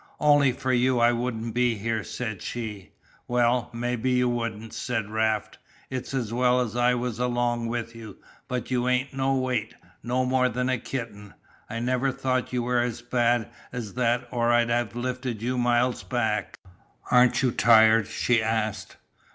"Only for you I wouldn't be here," said she. "Well, maybe you wouldn't," said Raft. "It's as well I was along with you, but you ain't no weight no more than a kitten. I never thought you were as bad as that or I'd have lifted you miles back." "Aren't you tired?" she asked.